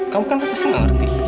kamu kan pasti nggak ngerti